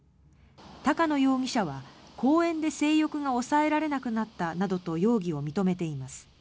高野容疑者は、公園で性欲が抑えられなくなったなどと容疑を認めています。